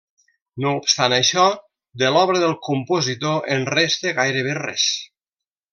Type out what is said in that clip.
No obstant això, de l'obra del compositor en resta gairebé res.